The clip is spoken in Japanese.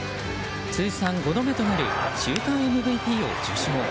通算５度目となる週間ＭＶＰを受賞。